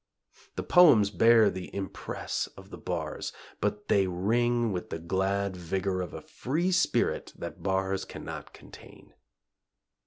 The poems bear the impress of the bars, but they ring with the glad vigor of a free spirit that bars cannot contain.